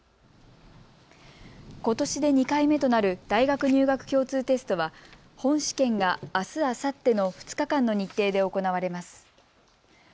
ことしで２回目となる大学入学共通テストは本試験が、あすあさっての２日間の日程で行われます。